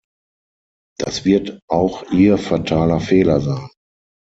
Das wird auch ihr fataler Fehler sein.